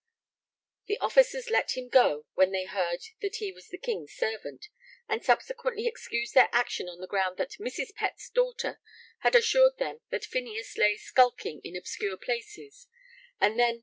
The officers let him go when they heard that he was the King's servant, and subsequently excused their action on the ground that Mrs. Pett's daughter had assured them that Phineas 'lay skulking in obscure places and then